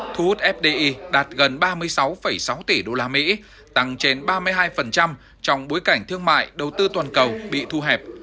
thu hút fdi đạt gần ba mươi sáu sáu tỷ usd tăng trên ba mươi hai trong bối cảnh thương mại đầu tư toàn cầu bị thu hẹp